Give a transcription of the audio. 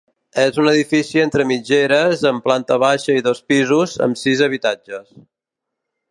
És un edifici entre mitgeres, amb planta baixa i dos pisos, amb sis habitatges.